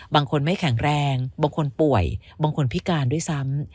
บางคนไม่แข็งแรงบางคนป่วยบางคนพิการด้วยซ้ำ